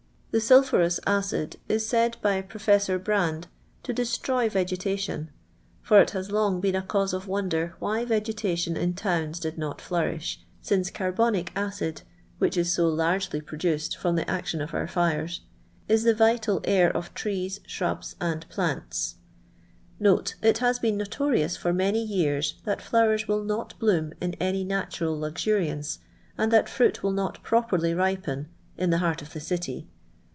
The sulphurous acid is said by Professor Br.inde to destroy vegetation, for it has long been a cause of wonder why vegetation in towns did not flourish, since carbonic acid (which is so largely produced from the action of our fires) is the vital air of trees, shrubs, and plants*. )* It has been notorious for many years, that flowers will not bloom in any natural luxuriance, and that fruit will not properly ripen, in the heart of the city.